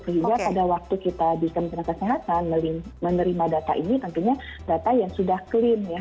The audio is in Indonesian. sehingga pada waktu kita di kementerian kesehatan menerima data ini tentunya data yang sudah clean ya